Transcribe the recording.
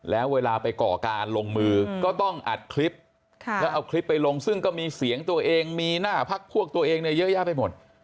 แล้วเวลาไปก่อการลงมือก็ต้องอัดคลิปแล้วเอาคลิปไปลงซึ่งก็มีเสียงตัวเองมีหน้าพักพวกตัวเองเนี่ยเยอะแยะไปหมด